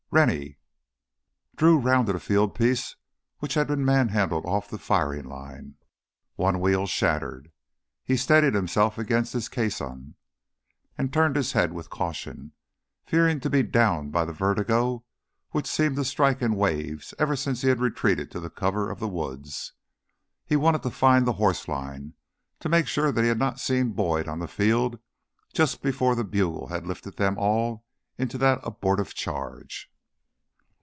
"Rennie!" Drew rounded a fieldpiece which had been manhandled off the firing line, one wheel shattered. He steadied himself against its caisson and turned his head with caution, fearing to be downed by the vertigo which seemed to strike in waves ever since he had retreated to the cover of the woods. He wanted to find the horse lines, to make sure that he had not seen Boyd on the field just before the bugle had lifted them all into that abortive charge.